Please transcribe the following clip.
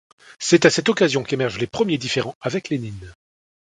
C'est à cette occasion qu'émergent les premiers différends avec Lénine.